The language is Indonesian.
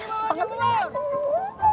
cibubur cibubur cibubur